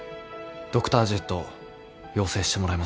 ドクタージェットを要請してもらえませんか？